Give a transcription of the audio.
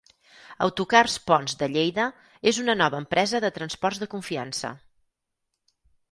Autocars Pons de Lleida és una nova empresa de transports de confiança.